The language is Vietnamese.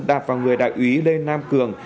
đạp vào người đại úy lê nam cường